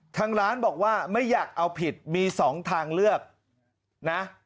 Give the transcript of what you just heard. ทางร้านบอกว่าไม่อยากเอาผิดมี๒ทางเลือกนะ